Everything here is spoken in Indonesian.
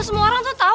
semua orang tuh tau